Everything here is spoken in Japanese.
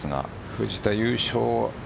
藤田優勝